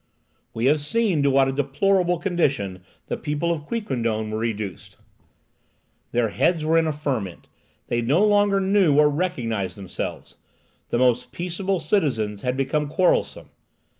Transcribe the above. We have seen to what a deplorable condition the people of Quiquendone were reduced. Their heads were in a ferment. They no longer knew or recognized themselves. The most peaceable citizens had become quarrelsome.